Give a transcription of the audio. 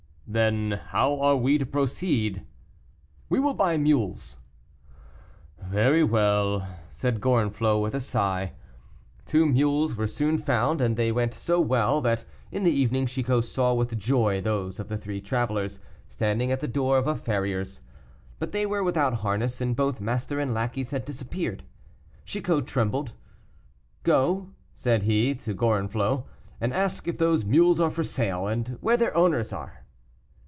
"Then how are we to proceed?" "We will buy mules." "Very well," said Gorenflot with a sigh. Two mules were soon found, and they went so well that in the evening Chicot saw with joy those of the three travelers, standing at the door of a farrier's. But they were without harness, and both master and lackeys had disappeared. Chicot trembled. "Go," said he, to Gorenflot, "and ask if those mules are for sale, and where their owners are."